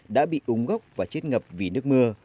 đã bị úng gốc và chết ngập vì nước mưa